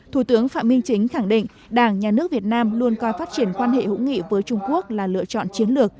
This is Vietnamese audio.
thủ tướng phạm minh chính khẳng định đảng nhà nước việt nam luôn coi phát triển quan hệ hữu nghị với trung quốc là lựa chọn chiến lược